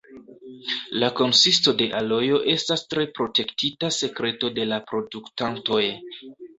La konsisto de alojo estas tre protektita sekreto de la produktantoj.